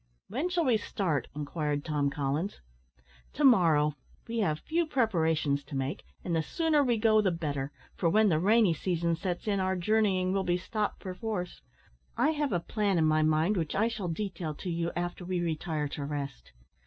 "When shall we start?" inquired Tom Collins. "To morrow. We have few preparations to make, and the sooner we go the better; for when the rainy season sets in, our journeying will be stopped perforce. I have a plan in my mind which I shall detail to you after we retire to rest.